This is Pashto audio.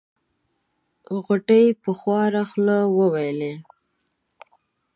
غوټۍ په خواره خوله وويل.